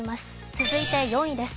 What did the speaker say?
続いて４位です。